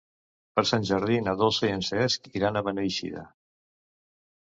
Per Sant Jordi na Dolça i en Cesc iran a Beneixida.